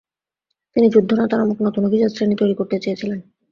তিনি যুদ্ধ নেতা নামক নতুন অভিজাত শ্রেণী তৈরি করতে চেয়েছিলেন।